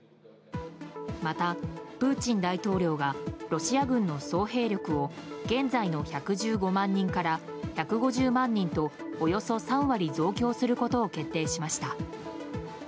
また、プーチン大統領がロシア軍の総兵力を現在の１１５万人から１５０万人とおよそ３割増強することを決定しました。